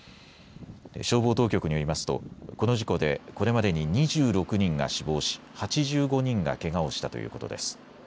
消防当局によりますとこの事故でこれまでに２６人が死亡し８５人がけがをしたということです。